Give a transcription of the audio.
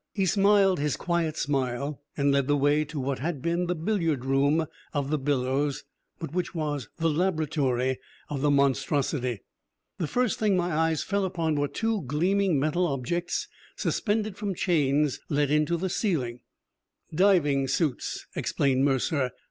He smiled his quiet smile and led the way to what had been the billiard room of "The Billows," but which was the laboratory of "The Monstrosity." The first thing my eyes fell upon were two gleaming metal objects suspended from chains let into the ceiling. "Diving suits," explained Mercer.